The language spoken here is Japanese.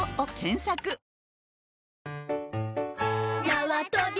なわとび